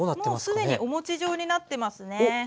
もう既にお餅状になってますね。